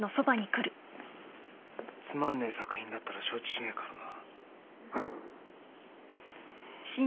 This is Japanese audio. つまんねえ作品だったら承知しねえからな。